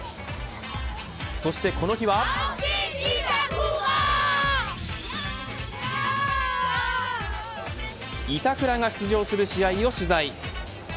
そしてこの日は板倉が出場する試合を取材。